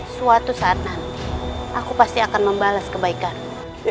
suatu saat nanti aku pasti akan membalas kebaikanmu